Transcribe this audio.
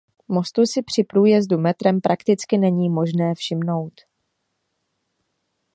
Mostu si při průjezdu metrem prakticky není možné všimnout.